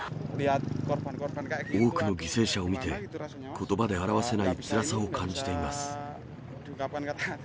多くの犠牲者を見て、ことばで表せないつらさを感じています。